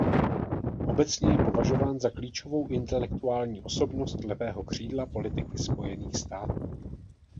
Obecně je považován za klíčovou intelektuální osobnost levého křídla politiky Spojených států.